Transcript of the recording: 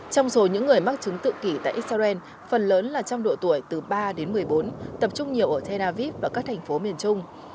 trong số những người mắc chứng tự kỷ tại israel phần lớn là trong độ tuổi từ ba đến một mươi bốn tập trung nhiều ở tel aviv và các thành phố miền trung